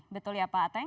betul ya pak ateng